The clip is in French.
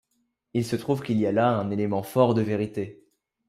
Il se trouve qu'il y a là un élément fort de vérité.